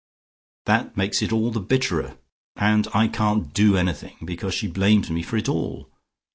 "That makes it all the bitterer. And I can't do anything, because she blames me for it all.